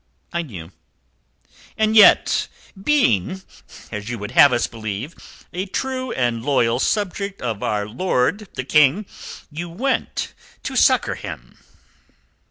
"I knew." "And yet, being, as you would have us believe, a true and loyal subject of our Lord the King, you went to succour him?"